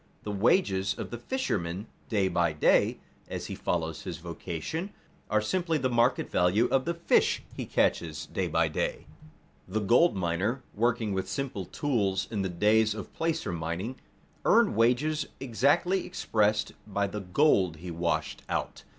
The wages of the fisherman day by day, as he follows his vocation, are simply the market value of the fish he catches day by day. The gold miner, working with simple tools in the days of placer mining, earned wages exactly expressed by the gold he washed out.